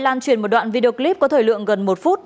lan truyền một đoạn video clip có thời lượng gần một phút